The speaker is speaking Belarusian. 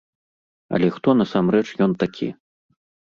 Але хто, насамрэч, ён такі?